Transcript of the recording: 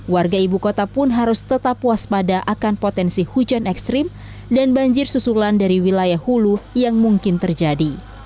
warga ibu kota pun harus tetap waspada akan potensi hujan ekstrim dan banjir susulan dari wilayah hulu yang mungkin terjadi